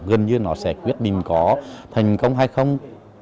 gần như nó sẽ quyết định có thành công hay không